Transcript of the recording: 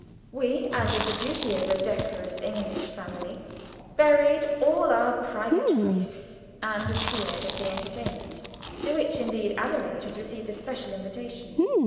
We, as is the duty of a decorous English family, buried all our private griefs, and appeared at the entertainment, to which, indeed, Adelaide had received a special invitation.